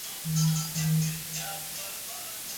پوځیان د هرات د نیولو په اړه پوښتني کوي.